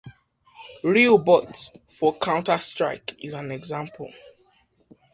RealBot, for "Counter-Strike", is an example.